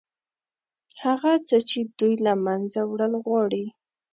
هغه څه چې دوی له منځه وړل غواړي.